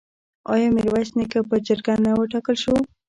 آیا میرویس نیکه په جرګه نه وټاکل شو؟